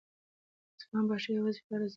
د اصفهان پاچا یوازې شپاړس زره عسکر واستول.